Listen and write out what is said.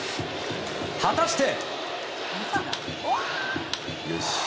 果たして。